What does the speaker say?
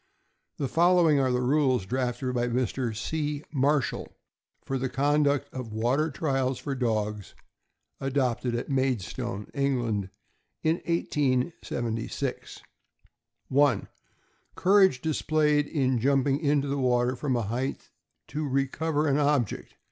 The following are the rules drafted by Mr. C. Marshall for the conduct of water trials for dogs, adopted at Maid stone, England, in 1876: 1. Courage displayed in jumping into the water from a height to" recover an object.